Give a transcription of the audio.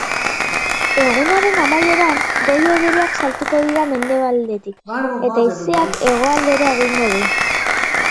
Egunaren amaieran, goi-hodeiak sartuko dira mendebaldetik, eta haizeak hegoaldera egingo du.